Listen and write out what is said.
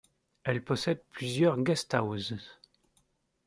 Elle possède plusieurs guesthouses.